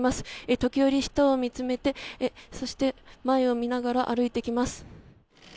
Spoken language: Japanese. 時折、下を見つめて前を見ながら歩いてきます。